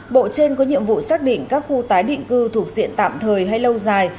bộ trên có nhiệm vụ xác định các khu tái định cư thuộc diện tạm thời hay lâu dài